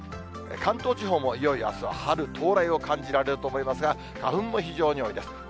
関東地方も、いよいよあすは春到来を感じられると思いますが、花粉も非常に多いです。